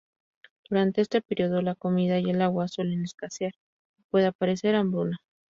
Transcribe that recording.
Durante este período, la comida y el agua suelen escasear y puede aparecer hambruna.